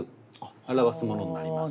表すものになります。